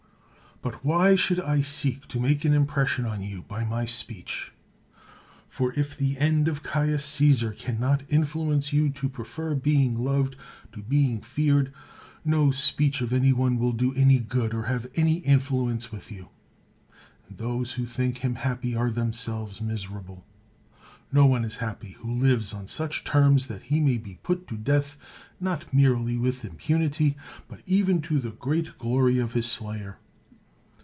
But why should I seek to make an impression on you by my speech? For, if the end of Caius Caesar can not influence you to prefer being loved to being feared, no speech of any one will do any good or have any influence with you ; and those who think him happy are themselves miserable. No one is happy who lives on such terms that he may be put to death not merely with im punity, but even to the great glory of his slayer.